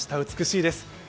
美しいです。